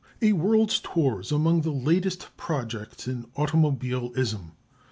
A world's tour is among the latest projects in automobilism.